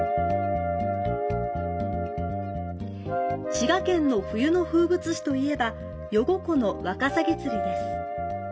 滋賀県の冬の風物詩といえば、余呉湖のワカサギ釣りです。